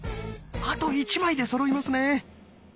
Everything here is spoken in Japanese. あと１枚でそろいますね。